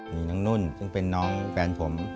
มีน้องนุ่นซึ่งเป็นน้องแฟนผม